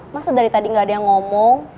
masa dari tadi nggak ada yang ngomong